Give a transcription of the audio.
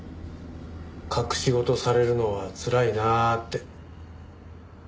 隠し事されるのはつらいなって。